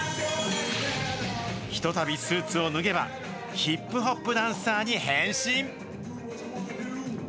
ひとたびスーツを脱げば、ヒップホップダンサーに変身。